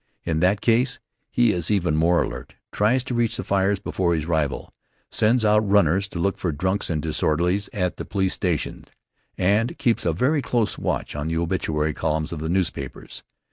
In that case, he is even more alert, tries to reach the fires before his rival, sends out runners to look for "drunks and disorderlies" at the police stations, and keeps a very dose watch on the obituary columns of the newspapers.